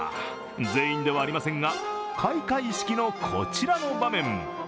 全員ではありませんが、開会式のこちらの場面。